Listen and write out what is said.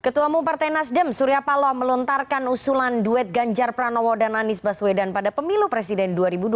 ketua umum partai nasdem surya paloh melontarkan usulan duet ganjar pranowo dan anies baswedan pada pemilu presiden dua ribu dua puluh